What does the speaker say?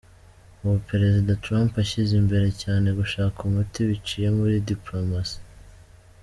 Ubu Perezida Trump ashyize imbere cyane gushaka umuti biciye muri Dipolomasiya.